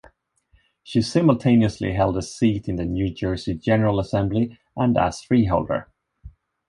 She simultaneously held a seat in the New Jersey General Assembly and as Freeholder.